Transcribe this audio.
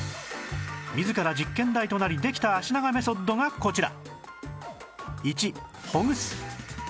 自ら実験台となりできた脚長メソッドがこちら